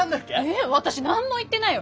え私何も言ってないよ。